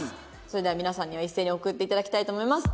それでは皆さんには一斉に送って頂きたいと思います。